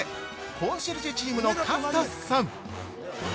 コンシェルジェチームの勝田さん。